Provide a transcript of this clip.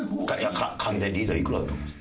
リーダーいくらだと思います？